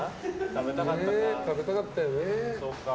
食べたかったよね。